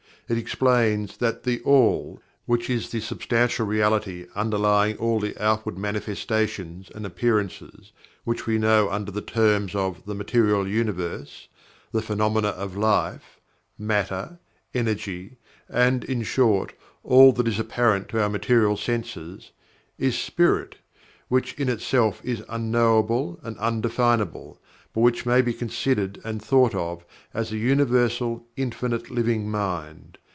It explains that THE ALL (which is the Substantial Reality underlying all the outward manifestations and appearances which we know under the terms of "The Material Universe"; the "Phenomena of Life"; "Matter"; "Energy"; and, in short, all that is apparent to our material senses) is SPIRIT which in itself is UNKNOWABLE and UNDEFINABLE, but which may be considered and thought of as AN UNIVERSAL, INFINITE, LIVING MIND.